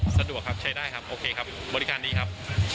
สะดวกครับใช้ได้ครับโอเคครับบริการดีครับ